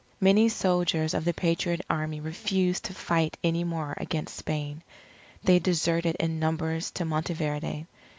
Many soldiers of the Patriot Army refused to fight any more against Spain. They deserted in numbers to Monteverde.